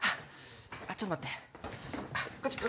あっちょっと待って。